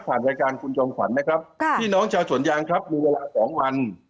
ผ่านรายการคุณจอมขวัญนะครับพี่น้องชาวสวนยางครับมีเวลาสองวัน